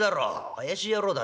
怪しい野郎だな。